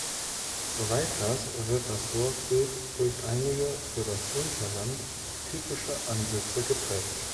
Weiters wird das Dorfbild durch einige, für das Unterland typische Ansitze geprägt.